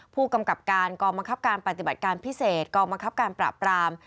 ผู้กำกับการกองบังคับการปฏิบัติการพิเศษกองบังคับการปราบราม